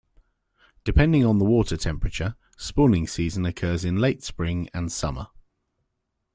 Depending on the water temperature, spawning season occurs in late spring and summer.